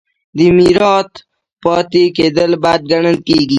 د میرات پاتې کیدل بد ګڼل کیږي.